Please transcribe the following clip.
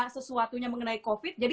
sesuatunya mengenai covid jadi